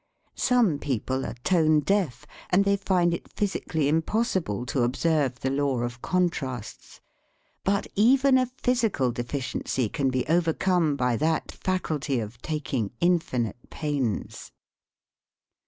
Some people are tone deaf, and they find it physically impossible to observe the law of 54 STUDY IN INFLECTION contrasts. But even a physical deficiency can be overcome by that faculty of taking infinite pains."